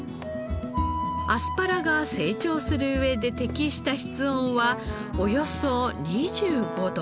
アスパラが成長する上で適した室温はおよそ２５度。